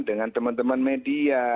dengan teman teman media